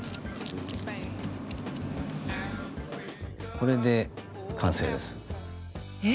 これで完成です。え？